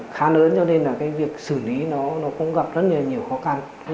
khá lớn cho nên là cái việc xử lý nó cũng gặp rất là nhiều khó khăn